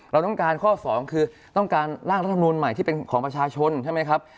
เราต้องการข้อ๒คือต้องการร่างรัฐมนูลใหม่ที่เป็นของประชาชนใช่ไหมครับ